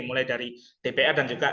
mulai dari dpr dan juga